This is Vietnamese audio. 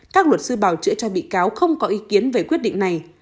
các luật sư bảo chữa cho bị cáo không có ý kiến về quyết định này